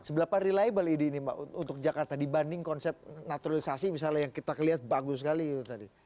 seberapa reliable ide ini mbak untuk jakarta dibanding konsep naturalisasi misalnya yang kita kelihat bagus sekali itu tadi